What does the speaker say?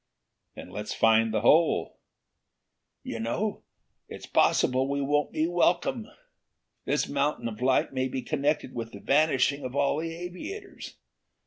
"Then let's find the hole." "You know it's possible we won't be welcome. This mountain of light may be connected with the vanishing of all the aviators.